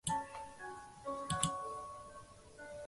塔巴波朗是巴西马托格罗索州的一个市镇。